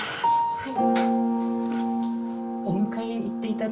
はい。